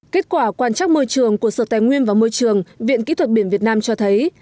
kết quả quan trắc môi trường của sở tài nguyên và môi trường viện kỹ thuật biển việt nam cho thấy